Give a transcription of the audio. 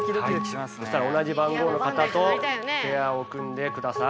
そしたら同じ番号の方とペアを組んでください。